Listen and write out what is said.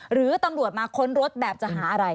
หรือตำรวจมาค้นรถแบบจะหาอะไร